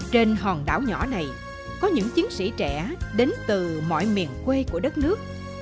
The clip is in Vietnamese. trên hòn đảo nhỏ này có những chiến sĩ trẻ đến từ mọi miền quê của đất nước